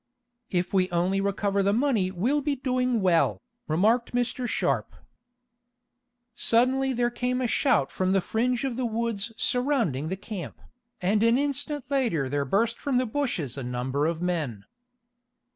"If we only recover the money we'll be doing well," remarked Mr. Sharp. Suddenly there came a shout from the fringe of woods surrounding the camp, and an instant later there burst from the bushes a number of men.